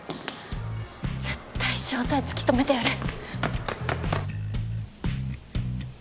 絶対正体突き止めてやる。